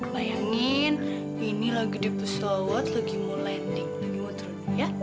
bayangin ini lagi di pesawat lagi mau landing lagi mau turun ya